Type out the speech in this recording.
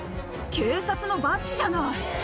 警察のバッジじゃない！